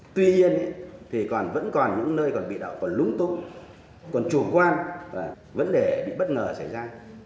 tuy nhiên thì vẫn còn những nơi còn bị đậu còn lúng tụng còn chủ quan vấn đề bị bất ngờ xảy ra